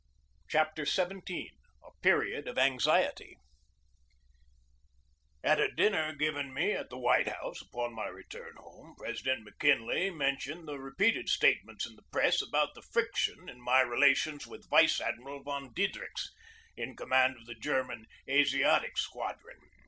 CHAPTER XVII A PERIOD OF ANXIETY AT a dinner given me at the White House upon my return home President McKinley mentioned the repeated statements in the press about the friction in my relations with Vice Admiral von Diedrichs, in command of the German Asiatic Squadron.